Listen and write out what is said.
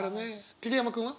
桐山君は？